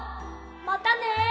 またね！